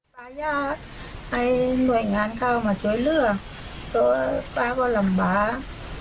พาย่าให้หน่วยงานเข้ามาช่วยเหลือก็ก็ลำบาก